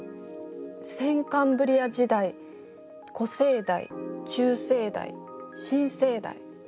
先カンブリア時代古生代中生代新生代。